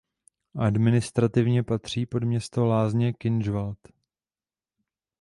Administrativně patří pod město Lázně Kynžvart.